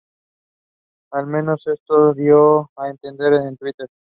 Al menos eso dio a entender en Twitter.